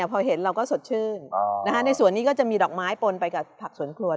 พอเห็นเราก็สดชื่นในส่วนนี้ก็จะมีดอกไม้ปนไปกับผักสวนครัว